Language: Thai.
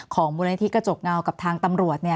มูลนิธิกระจกเงากับทางตำรวจ